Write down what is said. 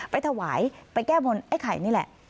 ไปถวายไปแก้บนไอ้ไข่นี่แหละ